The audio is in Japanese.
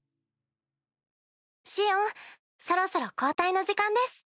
シオンそろそろ交代の時間です。